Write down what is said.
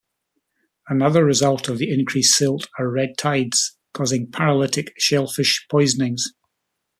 Another result of the increased silt are red tides, causing paralytic shellfish poisonings.